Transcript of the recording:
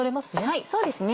はいそうですね。